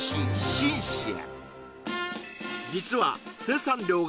シンシア